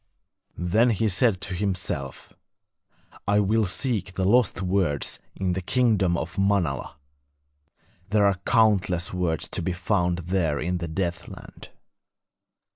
Then he said to himself: 'I will seek the lost words in the kingdom of Manala; there are countless words to be found there in the Deathland.'